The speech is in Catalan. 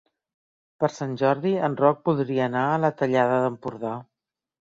Per Sant Jordi en Roc voldria anar a la Tallada d'Empordà.